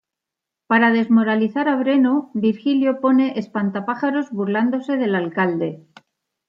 Para desmoralizar a Breno, Virgilio pone espantapájaros burlándose del alcalde.